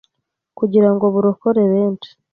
kugira ngo burokore benshi